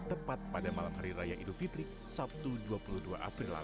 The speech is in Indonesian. tepat pada malam hari raya idul fitri sabtu dua puluh dua april lalu